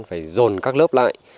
phải dồn các lớp lại